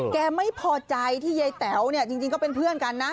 แกไม่พอใจที่ยายแต๋วเนี่ยจริงก็เป็นเพื่อนกันนะ